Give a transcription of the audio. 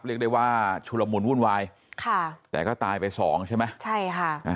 เรียกได้ว่าชุลมุนวุ่นวายค่ะแต่ก็ตายไปสองใช่ไหมใช่ค่ะอ่า